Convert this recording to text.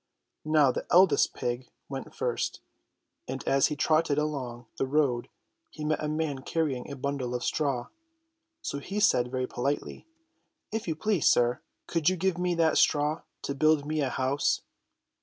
Now the eldest pig went first, and as he trotted along the road he met a man carrying a bundle of straw. So he said very politely : "If you please, sir, could you give me that straw to build me a house